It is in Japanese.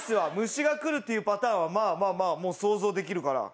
虫が来るっていうパターンはまあまあまあもう想像できるから。